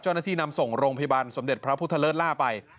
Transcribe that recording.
เจ้าหน้าที่นำส่งโรงพยาบาลสมเด็จพระพุทธเลิศล่าไป